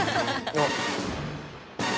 おっ。